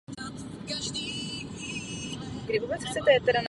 Výrobky jsou perfektně baleny, prezentovány a označeny.